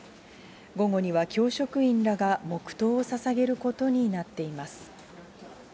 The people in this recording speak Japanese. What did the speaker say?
午後には教職員らが黙とうをささげることになっています。